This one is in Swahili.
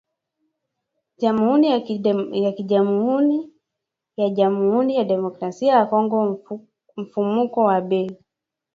Jamhuri ya KiJamuhuri ya Jamuhuri ya Demokrasia ya Kongo Mfumuko wa Bei